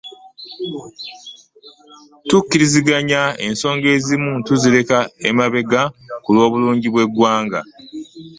Tukkiriziganyizza ensonga ezimu tuzireke emabega ku lw'obulungi bw'eggwanga